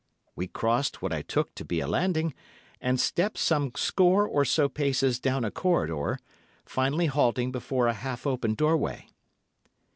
We crossed what I took to be a landing, and stepped some score or so paces down a corridor, finally halting before a half open doorway.